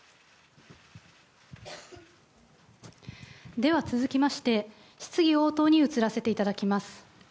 では、続きまして質疑応答に移らせていただきます。